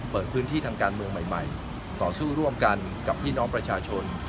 เปิดพื้นที่ทางการเมืองใหม่ต่อสู้ร่วมกันกับพี่น้องประชาชน